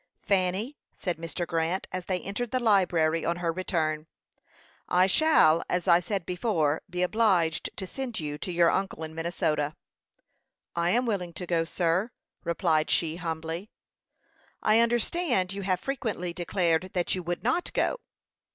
"Fanny," said Mr. Grant, as they entered the library, on her return, "I shall, as I said before, be obliged to send you to your uncle in Minnesota." "I am willing to go, sir," replied she, humbly. "I understand you have frequently declared that you would not go."